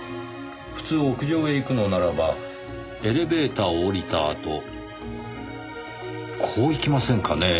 普通屋上へ行くのならばエレベーターを降りたあとこう行きませんかねぇ？